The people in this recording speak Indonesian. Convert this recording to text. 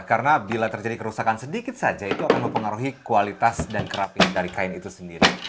karena bila terjadi kerusakan sedikit saja itu akan mempengaruhi kualitas dan kerapi dari kain itu sendiri